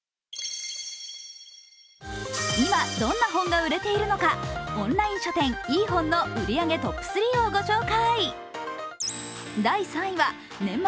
今、どんな本が売れているのか、オンライン書店ｅ−ｈｏｎの売り上げトップ３をご紹介。